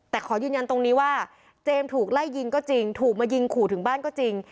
แต่ขอยืนยันตรงนี้ว่าเจมส์ถูกไล่ยิงก็จริงถูกมายิงขู่ถึงบ้านก็จริง